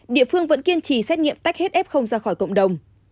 địa phương vẫn kiên trì xét nghiệm tách hết f ra khỏi cộng đồng